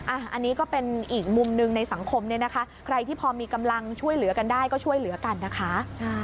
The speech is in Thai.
อันนี้ก็เป็นอีกมุมหนึ่งในสังคมเนี่ยนะคะใครที่พอมีกำลังช่วยเหลือกันได้ก็ช่วยเหลือกันนะคะ